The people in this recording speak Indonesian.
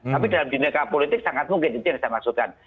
tapi dalam dinaka politik sangat mungkin itu yang saya maksudkan